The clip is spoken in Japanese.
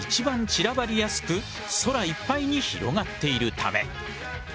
散らばりやすく空いっぱいに広がっているため。